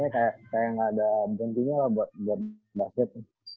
kayak gak ada bentinya lah buat basket